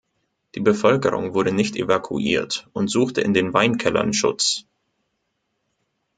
Die Bevölkerung wurde nicht evakuiert und suchte in den Weinkellern Schutz.